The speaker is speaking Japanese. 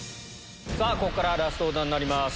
ここからラストオーダーになります